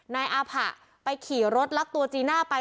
นายอาผะไปขี่รถลักตัวจีน่าไป